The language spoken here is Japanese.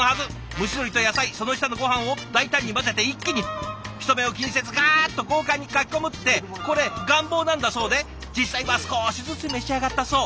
蒸し鶏と野菜その下のごはんを大胆に混ぜて一気に人目を気にせずガーッと豪快にかき込むってこれ願望なんだそうで実際は少しずつ召し上がったそう。